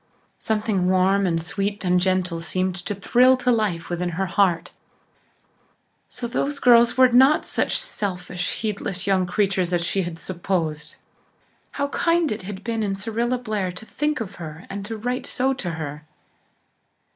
Something warm and sweet and gentle seemed to thrill to life within her heart. So those girls were not such selfish, heedless young creatures as she had supposed! How kind it had been in Cyrilla Blair to think of her and write so to her.